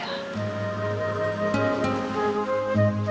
dan rasa kebenaran